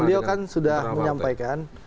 beliau kan sudah menyampaikan